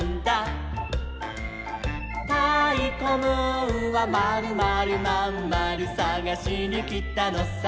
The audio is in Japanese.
「たいこムーンはまるまるまんまるさがしにきたのさ」